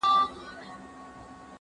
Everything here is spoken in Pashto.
زه له سهاره درسونه اورم